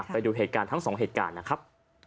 ไปดูทั้ง๒เหตุการณ์นะครับ